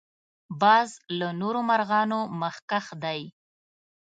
باز له نورو مرغانو مخکښ دی